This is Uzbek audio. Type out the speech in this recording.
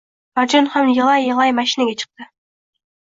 Marjon ham yig‘lay-yig‘lay mashinaga chiqdi